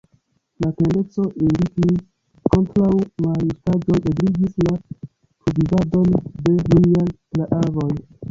La tendenco indigni kontraŭ maljustaĵoj ebligis la pluvivadon de niaj praavoj.